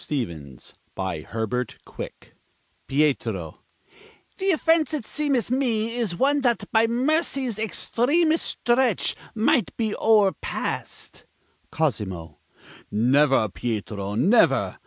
STEVENS BY HERBERT QUICK Pietro: Th' offense, it seemeth me, Is one that by mercy's extremest stretch Might be o'erpassed. Cosimo: Never, Pietro, never!